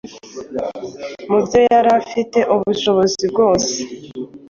Mu byo yari afitiye ubushobozi byose,